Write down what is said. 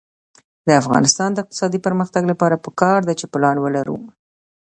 د افغانستان د اقتصادي پرمختګ لپاره پکار ده چې پلان ولرو.